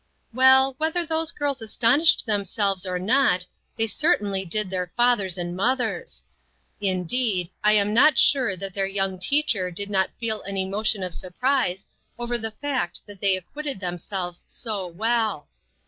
Well, whether those girls astonished them selves or not, they certainly did their fath ers and mothers. Indeed, I am not sure that their young teacher did not feel an emotion of surprise over the fact that they acquitted themselves so well.